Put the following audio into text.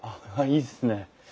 いいですねえ。